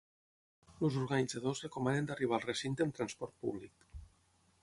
Els organitzadors recomanen d’arribar al recinte amb transport públic.